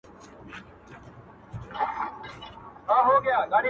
ما به زندۍ کړې؛ بیا به نه درکوی لار کوڅه؛